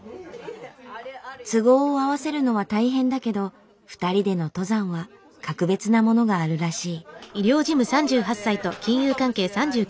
都合を合わせるのは大変だけど２人での登山は格別なものがあるらしい。